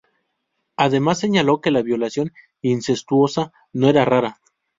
Además, señaló que la violación incestuosa no era rara.